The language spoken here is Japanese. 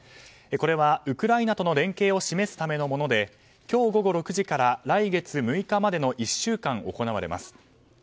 これはウクライナとの連携を示すためのもので今日午後６時から来月６日までの１週間行われます。